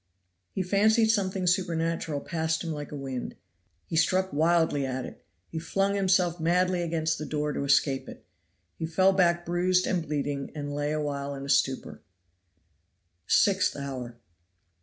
He fancied something supernatural passed him like a wind. He struck wildly at it. He flung himself madly against the door to escape it; he fell back bruised and bleeding and lay a while in stupor. Sixth hour.